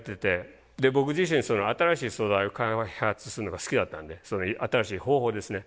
僕自身新しい素材を開発するのが好きだったんで新しい方法ですね。